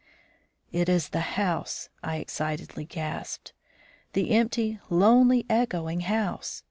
"It is the house!" I excitedly gasped, "the empty, lonely, echoing house!